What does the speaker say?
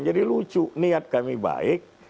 jadi lucu niat kami baik